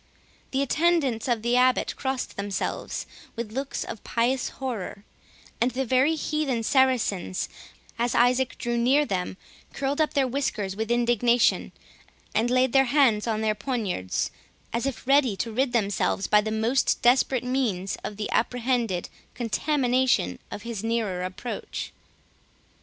The attendants of the Abbot crossed themselves, with looks of pious horror, and the very heathen Saracens, as Isaac drew near them, curled up their whiskers with indignation, and laid their hands on their poniards, as if ready to rid themselves by the most desperate means from the apprehended contamination of his nearer approach.